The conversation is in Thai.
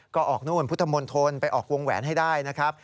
ก็ออกนู่นพุทธมณฑลไปออกวงแหวนให้ได้นะครับ